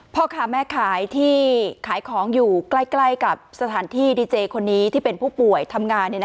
พ่อค้าแม่ขายที่ขายของอยู่ใกล้กับสถานที่ดีเจคนนี้ที่เป็นผู้ป่วยทำงาน